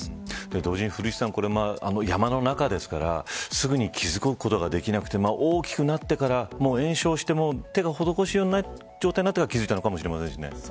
同時に古市さん山の中ですからすぐに気付くことができなくて大きくなってから延焼してから手の施しようがない状態なってから気付いたのかもしれませんね。